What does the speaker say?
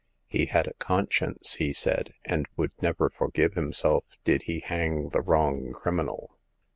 He had a conscience, he said, and would never forgive himself did he hang the WTong criminal.